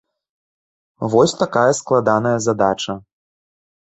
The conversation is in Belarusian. Вось такая складаная задача.